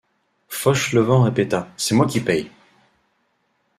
Fauchelevent répéta: — C’est moi qui paye!